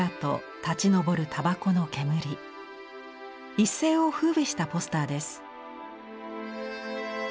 一世を風靡したポスターです。